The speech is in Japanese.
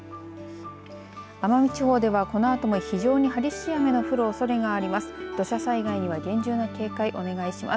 奄美地方ではこのあとも非常に激しい雨の降るおそれがあります。